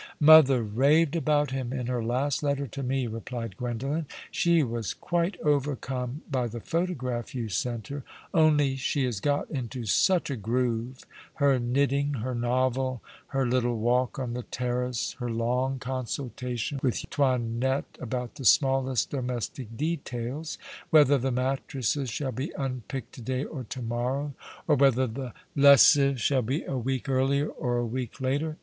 " Mother raved about him in her last letter to me," replied Gwendolen. " She was quite overcome by the photograph you sent her, only she has got into such a groove — her knitting, her novel, her little walk on the terrace, her long consulta tions with Toinette about the smallest domestic details — whether the mattresses shall be unpicked to day or to morrow, or whether the lessive shall be a week earlier or a week later.